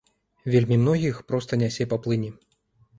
Вельмі многіх проста нясе па плыні.